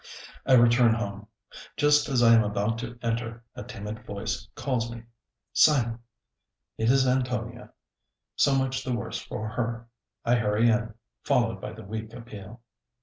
I return home. Just as I am about to enter a timid voice calls me "Simon!" It is Antonia. So much the worse for her. I hurry in, followed by the weak appeal.